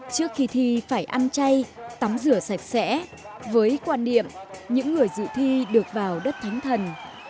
trước khi thi phải ăn chay tắm rửa sạch sẽ với quan niệm những người dự thi được vào đất thánh thần